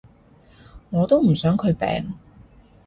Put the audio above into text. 我都唔想佢病